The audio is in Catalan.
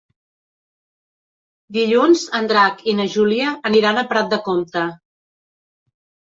Dilluns en Drac i na Júlia aniran a Prat de Comte.